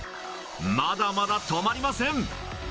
まだまだ止まりません。